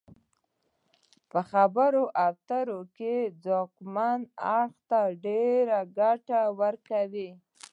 دا په خبرو اترو کې ځواکمن اړخ ته ډیره ګټه ورکوي